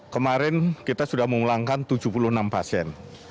kemarin kita sudah mengulangkan tujuh puluh enam pasien